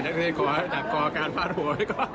ถ้าได้ดักกรอาการพลาดหัว